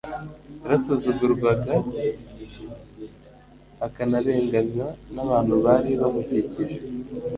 Yarasuzugurwaga akanarenganywa n'abantu bari bamukikije.